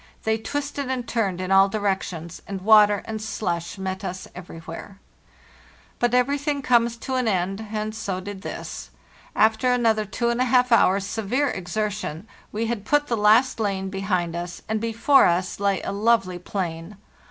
They twisted and turned in all directions, and water and slush met us everywhere. "But everything comes to an end, and so did this. After another two and a half hours' severe exertion we had put the last lane behind us, and before us lay a lovely plain.